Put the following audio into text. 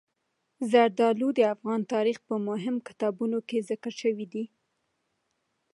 زردالو د افغان تاریخ په مهمو کتابونو کې ذکر شوي دي.